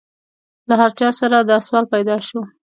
له هر چا سره دا سوال پیدا شو.